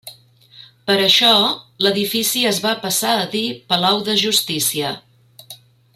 Per això, l'edifici es va passar a dir Palau de Justícia.